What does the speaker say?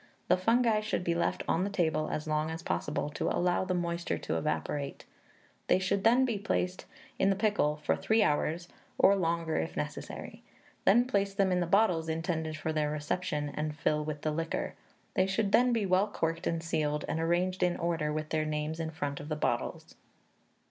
The fungi should be left on the table as long as possible, to allow the moisture to evaporate; they should then he placed in the pickle for three hours, or longer, if necessary; then place them in the bottles intended for their reception, and fill with the liquor. They should then be well corked and sealed, and arranged in order, with their names in front of the bottles."